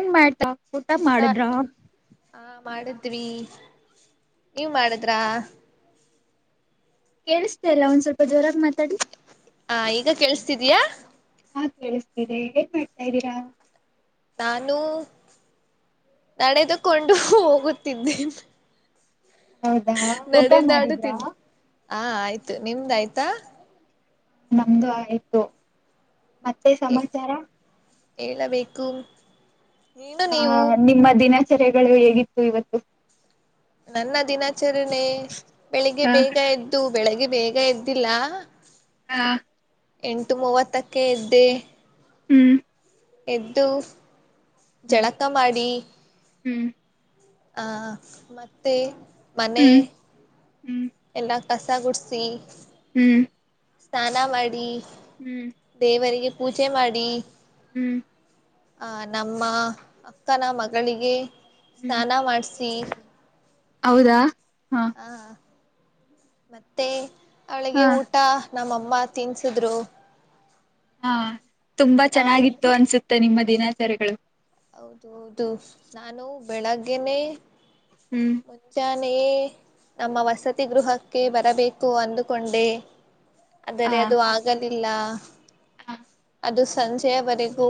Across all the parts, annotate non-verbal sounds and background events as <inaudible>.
ಏನ್ ಮಾಡ್ತಾ <unintelligible> ಹಾ ಮಾಡಿದ್ವಿ ನೀವ್ ಮಾಡಿದ್ರಾ ಕೇಳಿಸ್ತಾ ಅಲ್ಲ ಒಂದ್ ಸ್ವಲ್ಪ ಜೋರಾಗಿ ಮಾತಾಡಿ. ಹ ಈಗ ಕೇಳಸ್ತಿದಯಾ ಹಾ ಕೇಳಿಸ್ತಿದೆ ಏನ್ ಮಾಡ್ತಾ ಇದ್ದೀರಾ ನಾನು <inaudible> ನಡೆದುಕೊಂಡು ಹೋಗುತ್ತಿದ್ದೇನೆ. ಹೌದಾ ಊಟ ಮಾಡಿದ್ರಾ ನಡೆದಾಡುತ್ತಿದ್ದ್ ಆ ಆಯ್ತು ನಿಮ್ದ ಆಯ್ತಾ. ನಮ್ದು ಆಯ್ತು ಮತ್ತೆ ಸಮಾಚಾರ ಹೇಳಬೇಕು ನೀನು ಹಾ ನೀವು ನಿಮ್ಮ ದಿನಚರಿಗಳು ಹೇಗಿತ್ತು ಇವತ್ತು ನನ್ನ ದಿನಾಚರಣೆ ಬೆಳಿಗ್ಗೆ ಹ ಬೇಗ ಎದ್ದು ಬೆಳಗ್ಗೆ ಬೇಗ ಎದ್ದಿಲ್ಲಾ ಹಾ ಎಂಟು ಮೂವತ್ತಕ್ಕೆ ಎದ್ದೆ ಹ್ಮು ಎದ್ದು <unintelligible> ಹ್ಮ್ ಜಳಕ ಮಾಡಿ ಹ್ಮ್ <inaudible> ಆ ಮತ್ತೆ ಮನೆ ಹ್ಮ್ ಹ್ಮ್ ಎಲ್ಲ ಕಸ ಗುಡ್ಸಿ ಹ್ಮು. ಸ್ನಾನ ಮಾಡಿ ಹ್ಮ್. ದೇವರಿಗೆ ಪೂಜೆ ಮಾಡಿ ಹ್ಮು ಅ ನಮ್ಮ ಅಕ್ಕನ ಮಗಳಿಗೆ ಹ್ಮ್ ಸ್ನಾನ ಮಾಡ್ಸಿ ಹೌದಾ ಹಾ. ಹ ಮತ್ತೆ ಅವಳಿಗೆ ಹಾ ಊಟ ನಮ್ಮಮ್ಮ ತಿನ್ಸಿದ್ರು ಹಾ ತುಂಬಾ ನಾನು ಚೆನ್ನಾಗಿತ್ತು ಅನ್ಸುತ್ತೆ ನಿಮ್ಮ ದಿನಾಚರಿಗಳು. ಹೌದು ಹೌದು ನಾನು ಬೆಳಗ್ಗೆನೆ ಹ್ಮ್. ಮುಂಜಾನೆ ನಮ್ಮ ವಸತಿ ಗೃಹಕ್ಕೆ ಬರಬೇಕು ಅಂದುಕೊಂಡೇ ಆದರೆ ಅದು ಹ ಆಗಲಿಲ್ಲ <unintelligible> ಅದು ಸಂಜೆಯವರೆಗೂ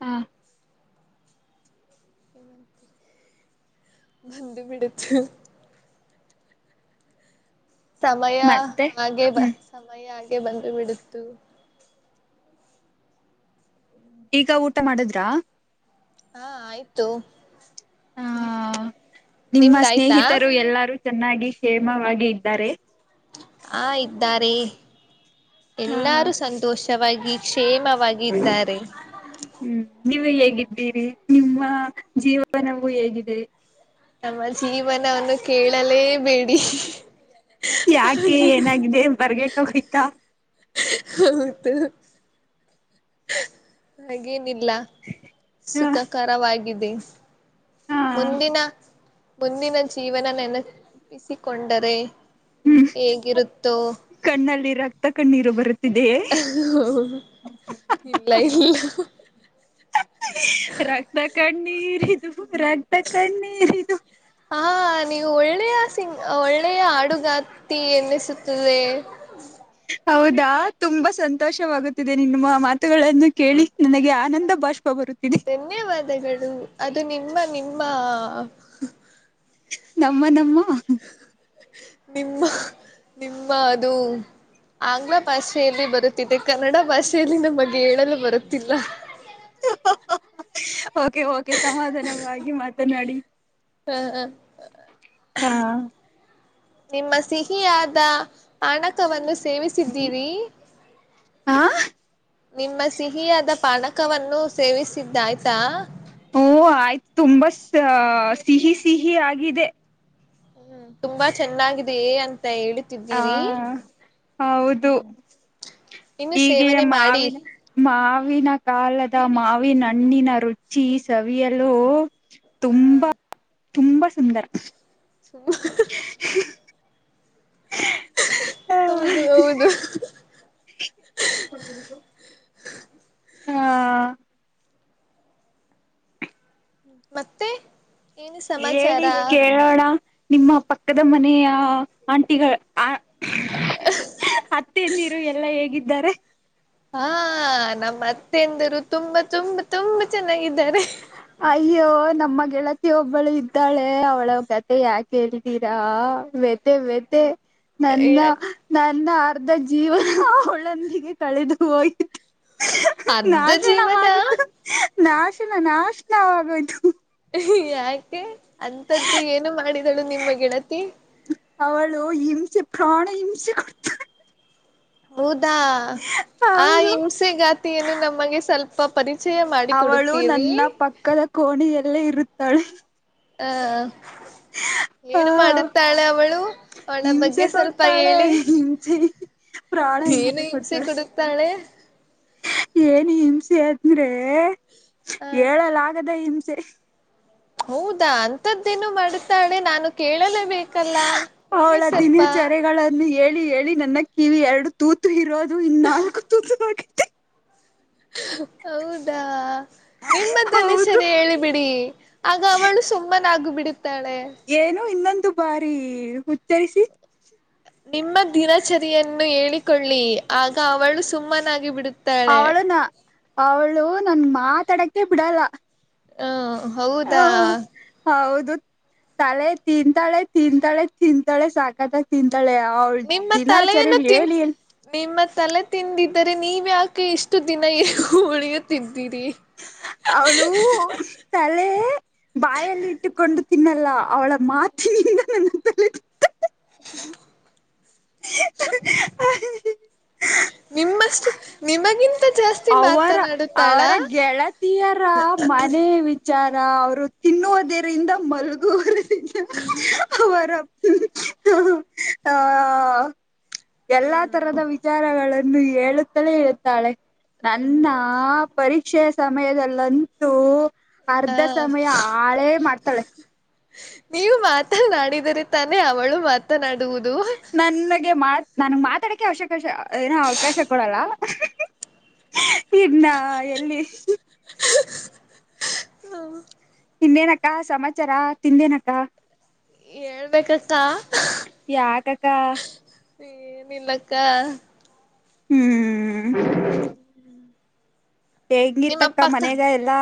ಹ. ಬಂದು ಬಿಡ್ತು ಸಮಯ ಮತ್ತೆ ಹಾಗೆ ಬ ಹ್ಮ್ ಸಮಯ ಹಾಗೆ ಬಂದು ಬಿಡುತ್ತು ಈಗ ಊಟ ಮಾಡದ್ರಾ ಹಾ ಆಯ್ತು. ಆ ನಿಮ್ಮ ನಿಮ್ದಾಯ್ತಾ ಸ್ನೇಹಿತರು ಎಲ್ಲಾರೂ ಚೆನ್ನಾಗಿ ಕ್ಷೇಮವಾಗಿ ಇದ್ದಾರೆ ಆ ಇದ್ದಾರೆ ಹಾ ಎಲ್ಲಾರೂ ಸಂತೋಷವಾಗಿ ಕ್ಷೇಮವಾಗಿ ಇದ್ದಾರೆ. ಹ್ಮ್ ನೀವು ಹೇಗಿದ್ದೀರಿ ನಿಮ್ಮ ಜೀವನವು ಹೇಗಿದೆ. ನಮ್ಮ ಜೀವನವನ್ನು ಕೇಳಲೇಬೇಡಿ. ಯಾಕೆ ಏನಾಗಿದೆ ಬರ್ಗಟ್ಟ ಹೋಗಯ್ತಾ. ಹ ಹೌದು. ಹಾಗೇನಿಲ್ಲ ಹಾ ಸುಖಕರವಾಗಿದೆ. ಹಾ ಮುಂದಿನ ಮುಂದಿನ ಜೀವನ ನೆನಪಿಸಿಕೊಂಡರೆ. ಹ್ಮ್ ಹೇಗಿರುತ್ತೋ. ಕಣ್ಣಲ್ಲಿ ರಕ್ತ ಕಣ್ಣೀರು ಬರತ್ ತಿದೆಯೇ. ಇಲ್ಲ ಇಲ್ಲ ರಕ್ತ ಕಣ್ಣೀರ ಇದು ರಕ್ತ ಕಣ್ಣೀರ ಇದು. ಹಾ ನೀವು ಒಳ್ಳೆಯ ಸಿಂಗ್ ಒಳ್ಳೆಯ ಹಾಡುಗಾರ್ತಿ ಎನ್ನಿಸುತ್ತದೆ. ಹೌದಾ ತುಂಬಾ ಸಂತೋಷವಾಗುತ್ತಿದೆ ನಿನ್ ನಿಮ್ಮ ಮಾತುಗಳನ್ನು ಕೇಳಿ ನನಗೆ ಆ ಆನಂದ ಭಾಷಬಾ ಬರುತ್ತೀದೆ. ಧನ್ಯವಾದಗಳು ಅದು ನಿಮ್ಮ ನಿಮ್ಮ. ನಮ್ಮ ನಮ್ಮ. ನಿಮ್ಮ ನಿಮ್ಮ ಅದು. ಆಂಗ್ಲ ಭಾಷೆಯಲ್ಲಿ ಬರುತ್ತಿದೆ ಕನ್ನಡ ಭಾಷೆಯಲ್ಲಿ ನಮಗೆ ಹೇಳಲು ಬರುತ್ತಿಲ್ಲ. ಓಕೆ ಓಕೆ ಸಮಾಧಾನವಾಗಿ ಮಾತನಾಡಿ. ಹ ಹಾ ನಿಮ್ಮ ಸಿಹಿಯಾದ. ಅಣಕವನ್ನು ಸೇವಿಸಿದ್ದೀರವಿ. ನಿಮ್ಮ ಸಿಹಿಯಾದ ಪಾನಕವನ್ನು ಸೇವಿಸಿದ್ದ ಆಯ್ತಾ. ಓ ಆಯ್ತು ತುಂಬಾ ಸಿ ಸಿಹಿ ಸಿಹಿ ಆಗಿದೆ. ಹ್ಮ್ ತುಂಬಾ ಚೆನ್ನಾಗಿದೆಯೇ ಅಂತ ಹೇಳ ಹಾ ಹೌದು. ಹ್ಮ್ ಇನ್ನು ಹೀಗೆ ಸೇವನೆ ಮಾಡಿ ಮಾವಿನ ಮಾವಿನ ಕಾಲದ ಮಾವಿನ ಹಣ್ಣಿನ ರುಚಿ ಸವಿಯಲು. ಹ ತುಂಬಾ ತುಂಬಾ ಸುಂದರ. <inaudible> <unintelligible> ಹೌದು ಹೌದು. <inaudible> ಹಾ. ಮತ್ತೆ. ಏನು ಹೇಳಿ ಸಮಾಚಾರ ಕೇಳೋಣ ನಿಮ್ಮ ಪಕ್ಕದ ಮನೆಯ ಆಂಟಿಗಳ ಆ ಅತ್ತೆಯಂದಿರು ಎಲ್ಲಾ ಹೇಗಿದ್ದಾರೆ. ಹಾ ನಮ್ಮ ಅತ್ತೆಯಂದಿರು ರ ತುಂಬಾ ತುಂಬಾ ತುಂಬಾ ಚೆನ್ನಾಗಿದ್ದಾರೆ. ಅಯ್ಯೋ ನಮ್ಮ ಗೆಳತಿ ಒಬ್ಬಳು ಇದ್ದಾಳೆ ಅವಳ ಕತೆ ಯಾಕ ಹೇಳಿ. ತೀರಾ ವೇತೆ ವೇತೆ. ನನ್ನ ಯಾಕ್ ನನ್ನ ಅರ್ಧ ಜೀವನ ಅವಳೊಂದಿಗೆ ಕಳೆದು ಹೋಗಿತು. ಅರ್ಧ ಜೀವನ ನಾಶನವಾಗಿತ್ತು ನಾಶನ ನಾಶನವಾಗೋಯ್ತು. ಯಾಕೆ ಅಂತದ್ದು ಏನು ಮಾಡಿದಳು ನಿಮ್ಮ ಗೆಳತಿ. ಅವಳು ಹಿಂಸೆ ಪ್ರಾಣ ಹಿಂಸೆ ಕೊಡ್ ಹೌದಾ ಆ ಅವರು ಹಿಂಸೆಗಾತಿಯನು ನಮಗೆ ಸ್ವಲ್ಪ ಪ್ಪ ಪರಿಚಯ ಮಾಡಿ ಅವಳು ಕೊಡುತ್ತೀರಿ. ನನ್ನ ಪಕ್ಕದ. ಕೋಣ ಎಲ್ಲೇ ಇರುತ್ತಾಳೆ ಹ ಆ ಏನು ಮಾಡುತ್ತಾಳೆ ಅವಳು ಅವಳ ಬಗ್ಗೆ ಸ್ವಲ್ಪ ಹೇಳಿ ಜ ಏನು ಹಿಂಸೆ ಕುಡುತ್ತಾಳೆ ಏನ್ ಹಿಂಸೆ ಅಂದ್ರೆ ಹ ಹೇಳಲಾಗದ ಹಿಂಸೆ ಹೌದಾ ಅಂತದ್ದೇನು ಮಾಡ್ತಾಳೆ ನಾನು ಕೇಳಲೇ ಬೇಕಲ್ಲ ಹೇಳಿ ಸ್ವಲ್ಪ ನ್ನು ಹೇಳಿ ಹೇಳಿ ನನ್ನ ಕಿವಿ ಎರಡು ತೂತು ಇರೋದು ಇ ನಾಲ್ಕು ತತು ಹೌದಾ ನಿಮ್ಮದ್ದನೇ ಹೌದು ಸರಿ ಹೇಳಿ ಬಿಿಡಿ ಆಗ ಅವಳು ಸುಮ್ಮನಾಗು ಬಿಡುತ್ತಾಳೆ ಏನು ಇನ್ನೊಂದು ಬಾರಿ ಉಚ್ಚರಿಸಿ ನಿಮ್ಮ ದಿನಚರಿಯನ್ನು ಹೇಳಿಕೊಳ್ಳಿ ಆಗ ಅವಳು ಸುಮ್ಮನಾಗಿ ಬಿಡತಾ ಅವಳು ನ ಅವಳು ನನ್ ಮಾತಾಡಕ್ಕೆ ಬಿಡಲ್ಲ ಹ ಹೌದಾ ಹೌದು ತಳೆ ತಿಂತಾಳೆ ತಿಂತಾಳೆ ತಿಂತಾಳೆ ಸಾಕತ್ತ ತಿಂತಾಳೆ ಅವಳ ನಿಮ್ಮ ದಿನಾಚರಿ ತಲೆಯನ್ನು ತಿನ್ ಹೇಳಿ ನಿಮ್ಮ ತಲೆ ತಿಂದಿದ್ದರೆ ನೀವ ಆಕೆ ಇಷ್ಟು ದಿನ ಉಳಿಯುತ್ತಿದ್ದೀರಿ ಅವಳು ತಲೆ ಬಾಯಲ್ಲಿಟ್ಟ ಇಟ್ಟಕೊಂಡು ತಿನ್ನಲ್ಲ ಅವಳ ಮಾತಿನಿಂದ ನ <unintelligible> ನಿಮ್ಮಷ್ಟು ನಿಮಗಿಂತ ಜಾಸ್ತಿ ಅವರ ಮಾತನಾಡುತ್ತಾಳಾ ಅವರ ಗೆಳತಿಯರ ಮನೆ ವಿಚಾರ ಅವರು ತಿನ್ನುವುದರಿಂದ ಮಲಗುವರ ಅವರ ಹ ಹ ಎಲ್ಲಾ ಹ್ಮ್ ತರದ ವಿಚಾರಗಳನ್ನು ಹೇಳುತ್ತಲೇ ಇುತ್ತಾಳೆ ನನ್ನ ಪರೀಕ್ಷೆಯ ಸಮಯದಲ್ಲಂತೂ ಅರ್ಧ ಹ ಸಮಯ ಹಾಳೆ ಮಾಡ್ತಾಳೆ ನೀವು ಮಾತನಾಡಿದರೆ ತಾನೇ ಅವಳು ಮಾತನಾಡುವುದು ನನಗೆ ಮಾತ್ ನನ್ಗೆ ಮಾತಾಡಕ್ಕೆ ಅವಶಕಾಶ ಏನೋ ಅವಕಾಶ ಕೊಡಲ್ಲ ಇಂದ ಎಲ್ಲಿ ಹ್ಮ ತಿಿಂದೇನಕ್ಕ ಸಮಾಚಾರ ತಿಿಂದೇನಕ್ಕ ಹೇಳ್ಬೇಕಸ ಯಾಕಕ ಏನಿಲ್ಲಕ್ಕ ಹ್ಮ್ ಹೆಂಗಿತ್ತಕ್ಕ ಮನೆಗ ಎಲ್ಲಾ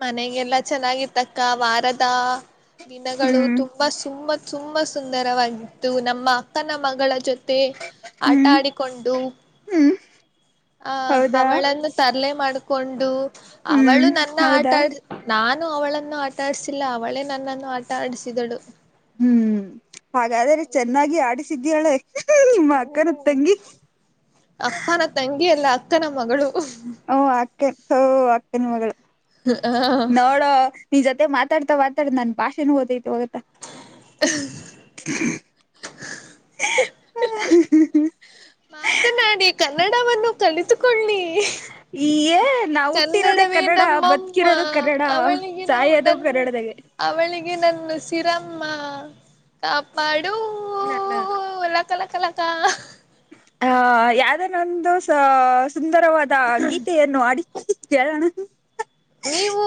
ಮನೆಗೆಲ್ಲ ಚೆನ್ನಾಗಿರ್ತಕ್ಕ ವಾರದ ದಿನಗಳು ಹ್ಮ್ ತುಂಬಾ ಸುಮ್ಮ ತುಂಬಾ ಸುಂದರವಾಗಿತ್ತು ನಮ್ಮ ಅಕ್ಕನ ಮಗಳ ಜೊತೆ ತ್ತೆ ಆಟ ಹ್ಮ್ ಆಡಿಕೊಂಡು ಹ್ಮ್ ಆ ಹೌದಾ ಅವಳನ್ನು ತರ್ಲೆ ಮಾಡ್ಕೊಂಡು ಹ್ಮ್ ಅವಳು ನನ್ನ ಆಟ ಹೌದಾ ಆಡ್ ನಾನು ಅವಳನ್ನು ಆಟಾಡ್ಸಿಲ್ಲ ಅವಳೇ ನನ್ನನ್ನು ಆಟ ಆಡಿಸಿದಳು ಹ್ಮ್ ಹಾಗಾದ್ರೆ ಹೌದು ಚೆನ್ನಾಗಿ ಆಡಿಸಿದೀೇಳ ಅಕ್ಕರ ತಂಗಿ ಅಪ್ಪನ ತಂಗಿ ಎಲ್ಲ ಅಕ್ಕನ ಮಗಳು ಓ ಅಕ್ಕನ್ ಅಕ್ಕನ್ ಮಗಳು ನೋಡೋ ನೀನ್ ಜೊತೆ ಮಾತಾಡ್ತಾ ಮಾತಾಡ ನನ್ ಭಾಷೆನ ಓದೈತೆವತ್ತಾ <unintelligible> ಮಾತನಾಡಿ ಕನ್ನಡವನ್ನು ಕಲಿತುಕೊಳ್ಳಿ ಈಯ ನಾವು ಹುಟ್ಟಿರೋದ ಕನ್ನಡವೇ ಕನ್ನಡ ನಮ್ಮಮ್ಮ ಬದುಕಿರೋದು ಕನ್ನಡ ಅವಳಿಗೆ ನಾವು ಸಾಯೋದು ನನ್ ಕನ್ನಡದಾಗ ಅವಳಿಗೆ ನನ್ನ ಹುಸಿರಮ್ಮ ಕಾಪಾಡು ಇಲ್ಲ ಇಲ್ಲ <inaudible> ಹ ಎಲ್ಲತಲ್ಲಕ್ಕಲತ ಆ ಯಾವ್ದನೊಂದು ಸುಂದರವಾದ ಗೀತೆಯನ್ನು ಹಾಡಿ ಹೇಳಣ್ಣ ನೀವು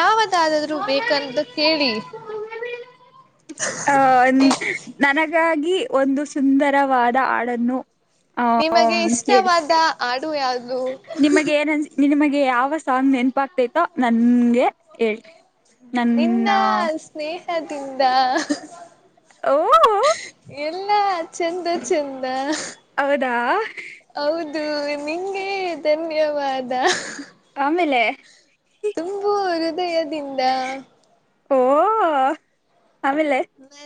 ಯಾವದಾದಾದ್ರು ಬೇಕಂತ ಕೇಳಿ ಹ್ಮ ಅ ನನಗಾಗಿ ಒಂದು ಸುಂದರವಾದ ಹಾಡನ್ನು ಆ ನಿಮಗೆ ಹೇಳಿ ಇಷ್ಟವಾದ ಹಾಡು ಯಾವುದು ನಿಮಗೆ ಏನನ್ ನಿಮಗೆ ಯಾವ ಸನ್ ನೆನಪಾಗಗ್ತೈತೋ ನನ್ಗೆ ಹೇಳರೀ ನಿನ್ನಾ ಸ್ನೇಹ ದಿಂದ ಓ ಎಲ್ಲ ಚೆಂದ ಚೆಂದ ಹೌದಾ ಹೌದು ನಿಂಗೆ ಧನ್ಯವಾದ ಆಮೇಲೆ ತುಂಬ ಹೃದಯದಿಂದ ಓ ಆಮೇಲೆ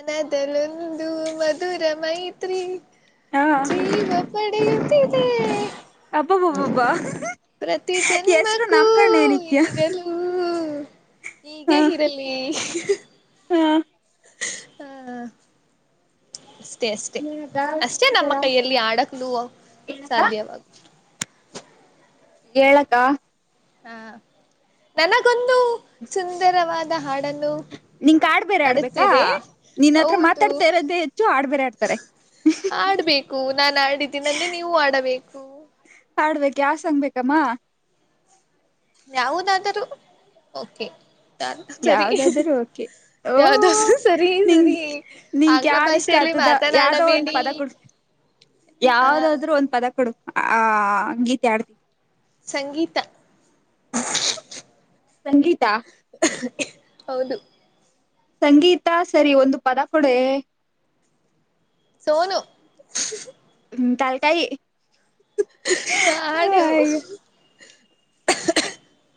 ಮನದಲೊಂದು ಮಧುರ ಮೈತ್ರಿ ಹಾ ಜೀವ ಪಡೆಯುತ್ತಿದೆ ಅಬ್ಬಬ್ಬಬ್ಬಬ್ಬ ಪ್ರತಿ ಹೆಸರು ಜನ್ಮಕ್ಕೂ ನಾಮಕರಣ ಏನಿತ್ಯ ಈಗೆಲ್ಲ ಹ ಹೀಗೆ ಇರಲಿ ಹ ಹಾ ಅಷ್ಟೇ ಅಷ್ಟೇ ಏನಕ್ಕ ಅಷ್ಟೇ ನಮ್ಮ ಸಮಾಚಾರ ಕೈಯಲ್ಲಿ ಆಡಕ್ ನೂ ಹೇಳಕ್ಕ ಸಾಧ್ಯವಾಗ ಹೇಳಕ್ಕ ಹಾ ನನಗೊಂದು ಸುಂದರವಾದ ಹಾಡನ್ನು ನಿನ್ ಕಾಡ್ಬೇರೆ ಆಡ್ಬೇಕಾ ಆಡುತ್ತಿದೆ ನಿನ್ ಹತ್ರ ಹೌದು ಮಾತಾಡ್ತಾ ಇರೋದೇ ಹೆಚ್ಚು ಆಡ್ ಬೇರೆ ಆಡ್ತಾರೆ ಆಡ್ಬೇಕು ನಾನ್ ಆಡಿದ್ದೀನಂದ್ರೆ ನೀವು ಆಡಬೇಕು ಹಾಡ್ಬೇಕು ಯಾವ್ ಸಾಂಗ್ ಬೇಕಮ್ಮ ಯಾವುದಾದರೂ ಓಕೆ ಡನ್ ಸರಿ ಯಾವ್ದಾದ್ರೂ ಓಕೆ ಓ ಯಾವ್ದಾದರು ಸರಿ ನಿನ್ ಸರಿ ನಿನ್ಕ್ ಆಂಗ್ಲ ಯಾವ್ದ್ ಇಷ್ಟ ಭಾಷೆಯಲ್ಲಿ ಮಾತನಾಡಬೇಡಿ ಆ ಯಾವ್ದಾದ್ರರು ಒಂದ್ ಪದ ಕೊಡು ಆ ಗೀತೆ ಆಡ್ತವಿ ಸಂಗೀತ ಸಂಗೀತ ಹೌದು ಸಂಗೀತ ಸರಿ ಒಂದು ಪದ ಕೊಡೆ ಸೋನು ಹ್ಮ್ ತಲ್ ಕಾಯಿ ಹ ಹಾಡು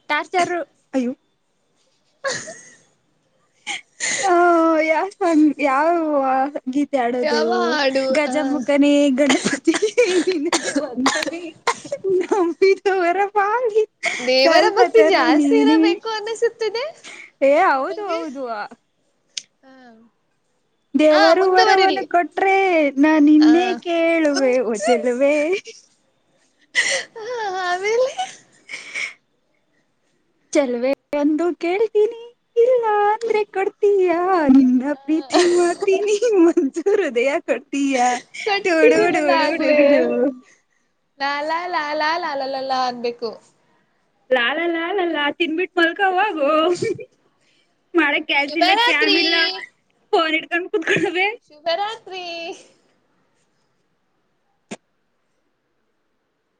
ಚಾರ್ ಚಾರ ಯು ಯಾವ್ ಸಾಂಗ್ ಯಾವ ಗೀತೆ ಆಡೋದು ಯಾವ ಹಾಡು ಆ ಗಜಮುಖನಿ ಗಂಡ ನಿನಗೆ ಬಂದನೆ ನಂಬಿದವರ ಪಾಲಿಗೆ ದೇವರ ಭಕ್ತಿ ಜಾಸ್ತಿ ಇರಬೇಕು ಅನ್ನಿಸುತ್ತಿದೆ ಏ ಹೌದು ನಿಮಗೆ. ಹೌದು ಹಾ. ದೇವರು ಮುಂದುವರಿಲಿ ಹೊರವನ್ನು ಕೊಟ್ರೆ ನಾನ್ ಹ ನಿನ್ನೆ ಕೇಳುವೆ ಒ ಜಲುವೆ. ಹ ಆಮೇಲೆ <unintelligible> ಚೆಲುವೇ ಒಂದು ಕೇಳ್ತೀನಿ ಇಲ್ಲ ಅಂದ್ರೆ ಕೊಡ್ತಿಯಾ. ಯಾ ನಿನ್ನ ಪ್ರೀತಿ ಮಾಡ್ತೀನಿ ಮನ್ಸು ಹೃದಯ. ಕೊಡ್ತಿಯಾ ಟು ಡು ಡು ಕಟ್ಟಿದೀನಲ್ಲ ಡು ಡ್ ಡ್ ಡ್. ನಾಲಾ ಲ ಲ ಲಲ್ಲಲ್ಲ ಅನ್ಬೇಕು. ಲಾಲ ಲಾಲಲ್ಲಾ ತಿನ್ಬಿಟ್ ಮಲ್ಕಹೋಗು. ಮಾಡಕ್ ಕೆಲ್ಸ್ ಇಲ್ಲ ಕ್ಯಾಮ್ ಶುಭರಾತ್ರಿ ಇಲ್ಲ ಫೋನ್ ಇಡ್ಕೊಂಡ್ ಕುಂನ್ಕೋತವೇ. ಶುಭರಾತ್ರಿ.